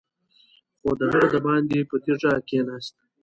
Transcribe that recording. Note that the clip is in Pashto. خو هغه دباندې په تيږه کېناست.